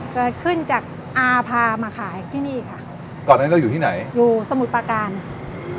เกิดขึ้นจากอาพามาขายที่นี่ค่ะตอนนั้นเราอยู่ที่ไหนอยู่สมุทรประการ